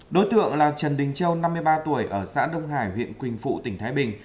đối tượng là trần đình châu năm mươi ba tuổi ở xã đông hải huyện quỳnh phụ tỉnh thái bình